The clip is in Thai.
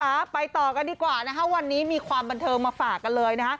ค่ะไปต่อกันดีกว่านะคะวันนี้มีความบันเทิงมาฝากกันเลยนะฮะ